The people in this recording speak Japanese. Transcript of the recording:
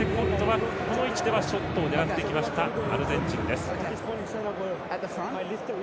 この位置ではショットを狙ってきましたアルゼンチンです。